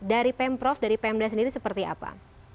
dari pemprov dari pemda sendiri seperti apa